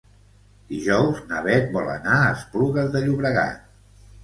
Dijous na Beth vol anar a Esplugues de Llobregat.